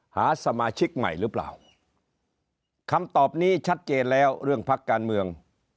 หาสมาชิกใหม่หรือเปล่าคำตอบนี้ชัดเจนแล้วเรื่องพักการเมือง